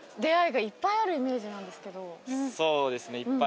そうですね。